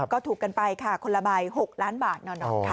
ก็ถูกกันไปค่ะคนละใบ๖ล้านบาทนอนค่ะ